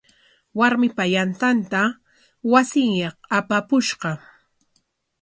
Warmipa yantanta wasinyaq apapushqa.